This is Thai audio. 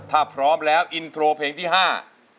ถ้าพร้อมแล้วอินโทรเพลงที่ห้า